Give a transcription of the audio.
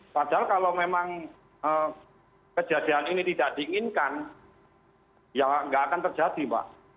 padahal kalau memang kejadian ini tidak diinginkan ya nggak akan terjadi mbak